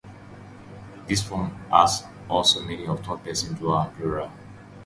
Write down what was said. This form has also meaning of third-person dual and plural.